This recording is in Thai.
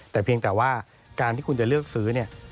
แต่เพียงแต่ว่าการที่คุณจะเลือกซื้อเนี่ย